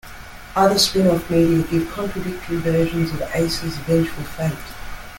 Other spin-off media give contradictory versions of Ace's eventual fate.